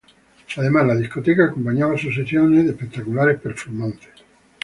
Además la discoteca acompañaba sus sesiones de espectaculares "performances".